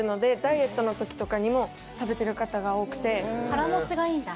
腹持ちがいいんだ。